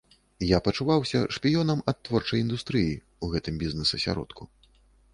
Я пачуваўся шпіёнам ад творчай індустрыі ў гэтым бізнес-асяродку.